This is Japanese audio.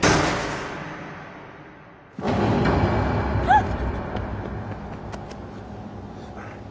あっ！